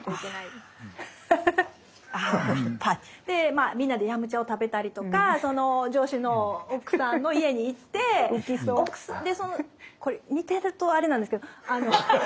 でまあみんなで飲茶を食べたりとかその上司の奥さんの家に行ってこれ見てるとあれなんですけど。